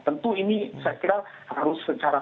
tentu ini saya kira harus secara